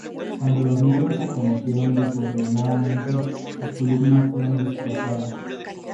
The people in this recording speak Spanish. Cuando los negros acometieron desordenadamente, sus columnas fueron destrozadas.